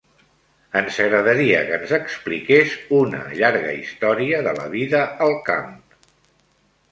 Ens agradaria que ens expliqués una llarga història de la vida al camp.